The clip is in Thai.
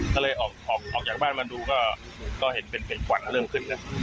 ก็เลยออกจากบ้านมาดูก็เห็นเป็นขวัญเริ่มขึ้นนะ